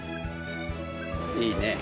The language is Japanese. いいね！